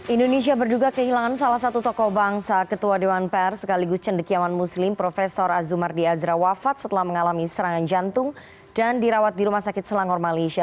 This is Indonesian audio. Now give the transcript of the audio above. indonesia berduga kehilangan salah satu tokoh bangsa ketua dewan per sekaligus cendekiawan muslim prof azumardi azra wafat setelah mengalami serangan jantung dan dirawat di rumah sakit selangor malaysia